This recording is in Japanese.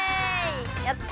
やった！